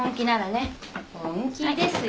本気ですよ。